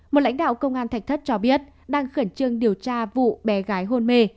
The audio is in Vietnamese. một lãnh đạo công an thạch thất cho biết đang khẩn trương điều tra vụ bé gái hôn mê